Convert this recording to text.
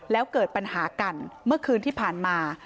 แล้วเกิดปัญหากันเมื่อคืนที่ผ่านมา